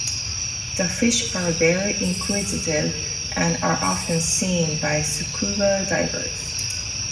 The fish are very inquisitive and are often seen by scuba divers.